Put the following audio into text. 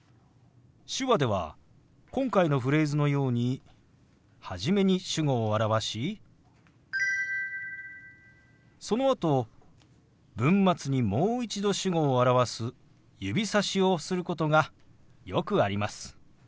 手話では今回のフレーズのように初めに主語を表しそのあと文末にもう一度主語を表す指さしをすることがよくあります。